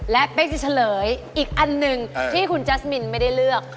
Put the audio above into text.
และเป๊กจะเฉลยอีกอันหนึ่งที่คุณแจ๊สมินไม่ได้เลือก